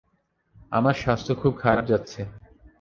আমার স্বাস্থ্য খুব খারাপ যাচ্ছে।